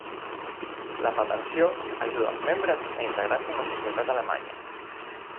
La Federació ajuda als membres a integrar-se en la societat alemanya.